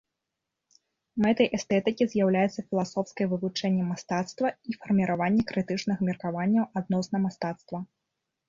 Мэтай эстэтыкі з'яўляецца філасофскае вывучэнне мастацтва і фарміраванне крытычных меркаванняў адносна мастацтва.